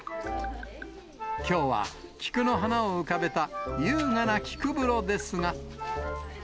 きょうは菊の花を浮かべた優雅な菊風呂ですが。